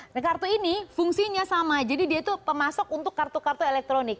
nah kartu ini fungsinya sama jadi dia itu pemasok untuk kartu kartu elektronik